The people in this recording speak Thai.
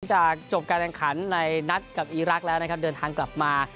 จากจบการแข่งขันในนัดกับอีรักษ์แล้วนะครับเดินทางกลับมา